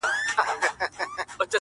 ددې خاوري ارغوان او زغن زما دی-